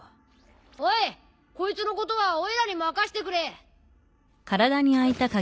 おいこいつのことはおいらに任せてくれ。